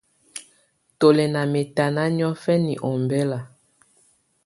Tù lɛ̀ ná mɛtana niɔ̀fɛna ɔmbɛla.